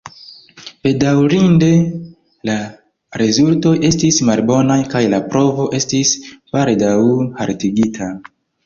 Bedaŭrinde la rezultoj estis malbonaj kaj la provo estis baldaŭ haltigita.